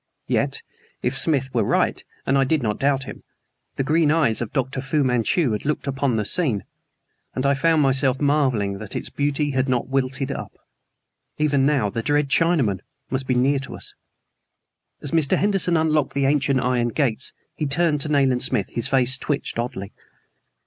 Yet, if Smith were right (and I did not doubt him), the green eyes of Dr. Fu Manchu had looked upon the scene; and I found myself marveling that its beauty had not wilted up. Even now the dread Chinaman must be near to us. As Mr. Henderson unlocked the ancient iron gates he turned to Nayland Smith. His face twitched oddly.